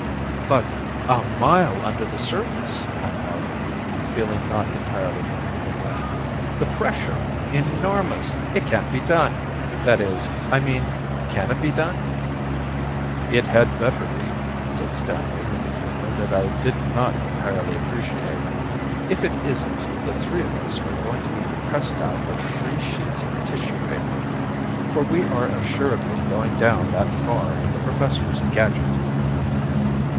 "But a mile under the surface!" I marveled, feeling not entirely comfortable. "The pressure! Enormous! It can't be done! That is, I mean, can it be done?" "It had better be," said Stanley with a humor that I did not entirely appreciate. "If it isn't, the three of us are going to be pressed out like three sheets of tissue paper! For we are assuredly going down that far in the Professor's gadget."